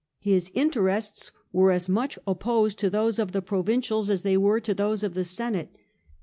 His in terests were as much opposed to those of the provincials as they were to those of the Senate.